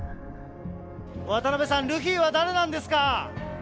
わたなべさん、ルフィは誰なんですか。